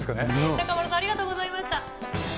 中丸さん、ありがとうございました。